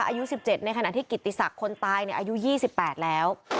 อายุ๑๗ในขณะที่กิติศักดิ์คนตายอายุ๒๘แล้ว